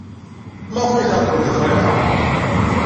Maɣef ay tɛeḍḍlem deg Friḥa?